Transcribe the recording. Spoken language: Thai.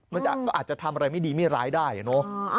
มันก็อาจจะทำอะไรไม่ดีไม่ร้ายได้อะเนอะ